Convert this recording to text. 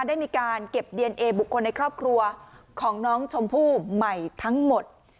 ได้มีการเก็บดีเอนเอบุคคลในครอบครัวของน้องชมพู่ใหม่ทั้งหมด